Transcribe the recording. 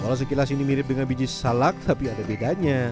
kalau sekilas ini mirip dengan biji salak tapi ada bedanya